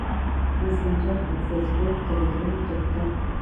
- Facebook، Telegram، TikTok او Messenger